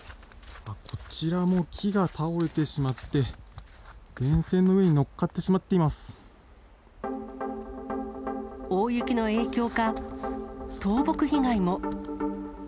こちらも木が倒れてしまって、電線の上に乗っかってしまってい大雪の影響か、倒木被害も。